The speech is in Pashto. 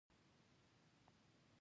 ایا ستاسو هوا به تازه وي؟